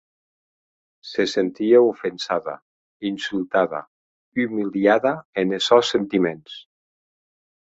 Se sentie ofensada, insultada, umiliada enes sòns sentiments.